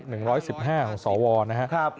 ๑๑๕ของศวรครับ